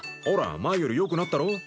ほら前よりよくなったろ？